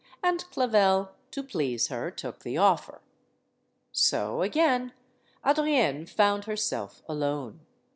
And Clavel, to please her, took the offer. So, again, Adrienne found herself alone.